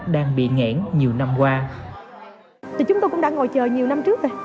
đang bị ngẽn nhiều năm qua